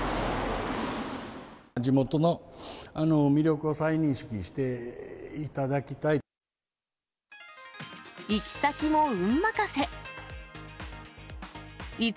地元の魅力を再認識していただきたい。